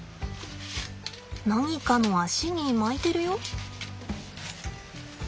何かの脚に巻いてるよ。